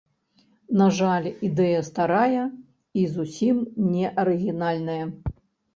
На жаль, ідэя старая і зусім не арыгінальная.